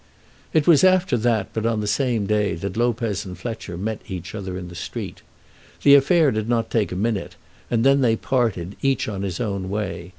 It was after that, but on the same day, that Lopez and Fletcher met each other in the street. The affair did not take a minute, and then they parted, each on his own way.